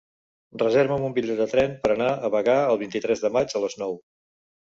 Reserva'm un bitllet de tren per anar a Bagà el vint-i-tres de maig a les nou.